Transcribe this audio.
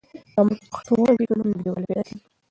که موږ په پښتو وغږېږو نو نږدېوالی پیدا کېږي.